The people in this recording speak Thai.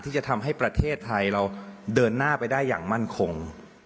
ที่จะทำให้ประเทศไทยเราเดินหน้าไปได้อย่างมั่นคง